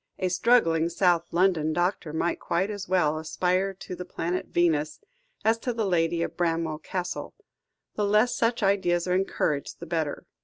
A struggling South London doctor might quite as well aspire to the planet Venus, as to the lady of Bramwell Castle. The less such ideas are encouraged, the better."